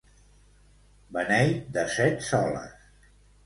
Beneit de set soles.